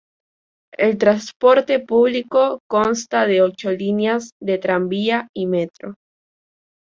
El transporte público consta de ocho líneas de tranvía y metro.